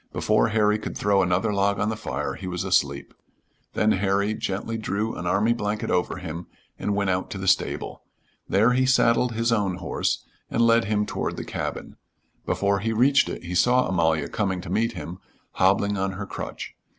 Before Harry could throw another log on the fire he was asleep. Then Harry gently drew an army blanket over him and went out to the stable. There he saddled his own horse and led him toward the cabin. Before he reached it he saw Amalia coming to meet him, hobbling on her crutch.